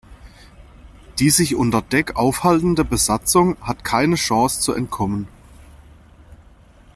Die sich unter Deck aufhaltende Besatzung hat keine Chance zu entkommen.